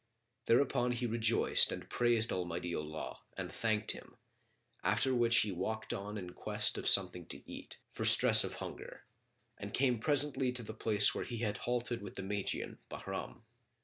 Thereupon he rejoiced and praised Almighty Allah and thanked Him; after which he walked on in quest of something to eat, for stress of hunger, and came presently to the place where he had halted with the Magian, Bahram.